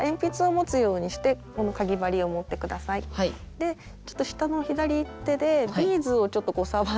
でちょっと下の左手でビーズをちょっとこう触って。